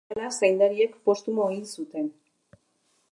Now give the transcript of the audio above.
Berehala, zaindariek Postumo hil zuten.